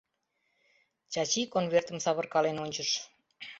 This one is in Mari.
Чачи конвертым савыркален ончыш.